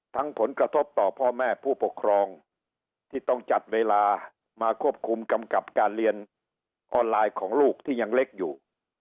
ผลกระทบต่อพ่อแม่ผู้ปกครองที่ต้องจัดเวลามาควบคุมกำกับการเรียนออนไลน์ของลูกที่ยังเล็กอยู่